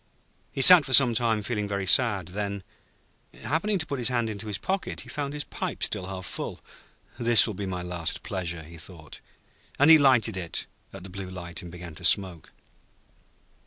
He sat for some time feeling very sad, then happening to put his hand into his pocket, he found his pipe still half full. 'This will be my last pleasure,' he thought, as he lighted it at the Blue Light, and began to smoke.